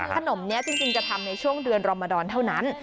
ขนมนี้จริงจะทำในช่วงเดือนรมดรเท่านั้น